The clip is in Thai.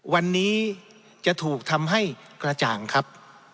วันนี้จะถูกทำให้กระจ่างครับ